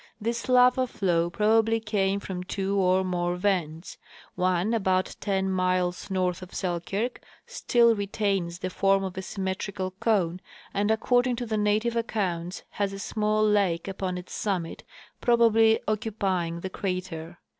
This lava flow probabl}^ came from two or more vents ; one about ten miles north of Selkirk still retains the form of a symmetrical cone, and according to the native accounts has a small lake upon its summit, probably occupying the crater.